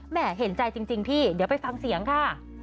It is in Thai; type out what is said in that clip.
เห็นใจจริงพี่เดี๋ยวไปฟังเสียงค่ะ